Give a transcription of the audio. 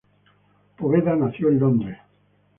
Poveda nació en Londres.